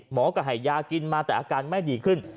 หมอก็ให้ยากินมาแต่อาการไม่ดีขึ้น